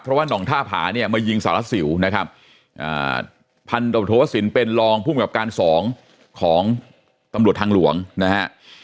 เพราะว่าน่องท่าผาเนี่ยมายิงสารสิวนะครับพันธบทโวสินเป็นรองภูมิกับการสองของตำรวจทางหลวงนะฮะ